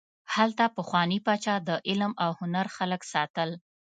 هلته پخواني پاچا د علم او هنر خلک ساتل.